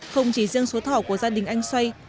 không chỉ riêng số thỏ của gia đình anh xoay